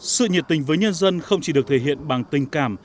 sự nhiệt tình với nhân dân không chỉ được thể hiện bằng tình cảm